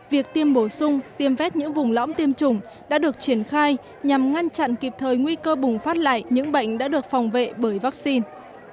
việc tiêm bổ sung tiêm vét những vùng lõm tiêm chủng đã được triển khai nhằm ngăn chặn kịp thời nguy cơ bùng phát lại những bệnh đã được phòng vệ bởi vaccine